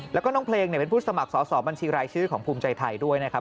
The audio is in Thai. แล้วก็น้องเพลงเป็นผู้สมัครสอบบัญชีรายชื่อของภูมิใจไทยด้วยนะครับ